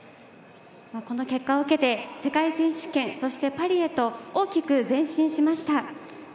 この結果を受けて世界選手権、そしてパリへと大きく前進しました。